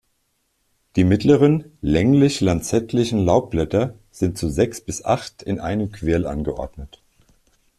Die mittleren, länglich-lanzettlichen Laubblätter sind zu sechs bis acht in einem Quirl angeordnet.